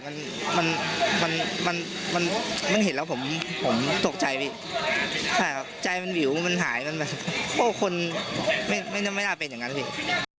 มันเห็นแล้วผมตกใจพี่ใจมันหิวมันหายโอ้คนไม่น่าเป็นอย่างนั้นนะพี่